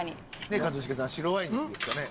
ねえ一茂さん白ワインですかね。